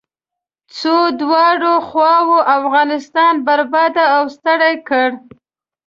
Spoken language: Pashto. څو دواړو خواوو افغانستان برباد او ستړی کړ.